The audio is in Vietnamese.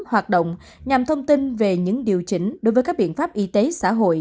hoạt động nhằm thông tin về những điều chỉnh đối với các biện pháp y tế xã hội